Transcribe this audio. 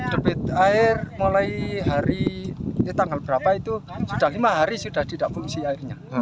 debit air mulai hari ini tanggal berapa itu sudah lima hari sudah tidak fungsi airnya